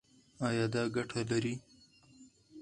ایا دا ګټه لري؟